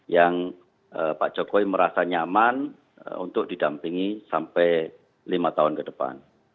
yang pak jokowi merasa nyaman untuk didampingi sampai lima tahun ke depan